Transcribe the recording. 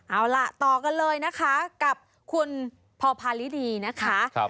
เอาล่ะต่อกันเลยนะคะกับคุณพอพาลิดีนะคะ